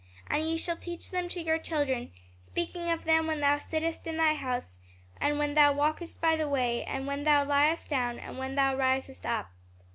And ye shall teach them to your children, speaking of them when thou sittest in thy house, and when thou walkest by the way, when thou liest down, and when thou risest up."